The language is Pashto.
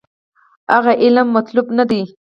هغه علم مطلوب نه دی.